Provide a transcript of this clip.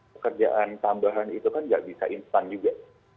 pekerjaan tambahan itu kan nggak bisa instan juga